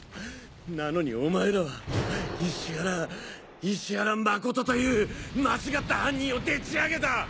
なのにお前らは石原石原誠という間違った犯人をでっち上げた！